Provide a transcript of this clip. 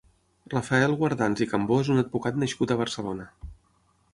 Rafael Guardans i Cambó és un advocat nascut a Barcelona.